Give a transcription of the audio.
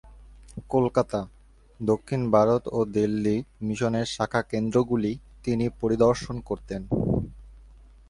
কলকাতা, দক্ষিণ ভারত ও দিল্লি মিশনের শাখা কেন্দ্রগুলি তিনি পরিদর্শন করতেন।